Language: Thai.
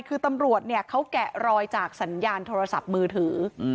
คือตำรวจเขาแกะรอยจากสัญญาณโทรศัพท์มือถือ